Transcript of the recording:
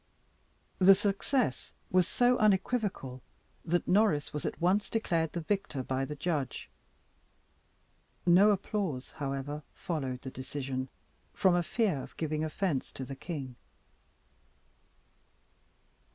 The success was so unequivocal that Norris was at once declared the victor by the judge. No applause, however, followed the decision, from a fear of giving offence to the king.